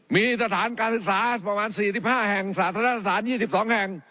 มีสถานการศึกษาประมาณ๔๕แห่งสาธารณสถาน๒๒แห่ง